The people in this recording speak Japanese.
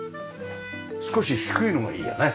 少し低いのがいいよね。